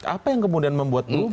apa yang kemudian membuat burung